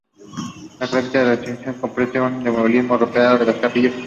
La cripta, del siglo X, comprende un deambulatorio rodeado de capillas.